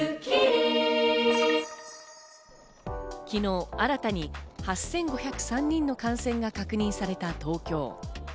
昨日、新たに８５０３人の感染が確認された東京。